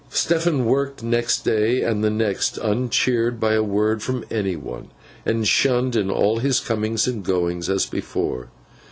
Stephen worked the next day, and the next, uncheered by a word from any one, and shunned in all his comings and goings as before.